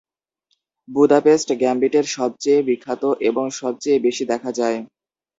Budapest গ্যাম্বিটের সবচেয়ে বিখ্যাত এবং সবচেয়ে বেশি দেখা যায়।